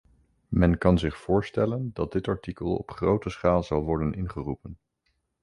Men kan zich voorstellen dat dit artikel op grote schaal zal worden ingeroepen.